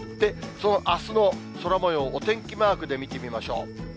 そのあすの空もよう、お天気マークで見てみましょう。